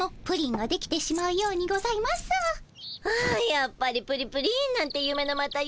やっぱりプリプリンなんてゆめのまたゆめ。